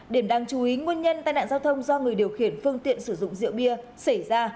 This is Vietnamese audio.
điểm đáng chú ý nguyên nhân tai nạn giao thông do người điều khiển phương tiện sử dụng rượu bia xảy ra